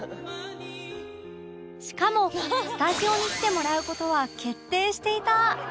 しかもスタジオに来てもらう事は決定していた！